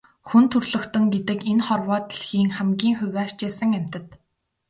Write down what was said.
Хүн төрөлхтөн гэдэг энэ хорвоо дэлхийн хамгийн хувиа хичээсэн амьтад.